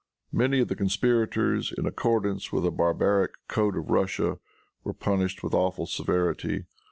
Many of the conspirators, in accordance with the barbaric code of Russia, were punished with awful severity.